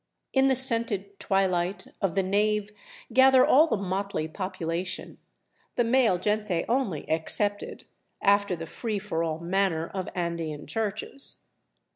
In the scented twilight of the nave gather all the motley population, the male gente only excepted, after the free for all manner of Andean churches.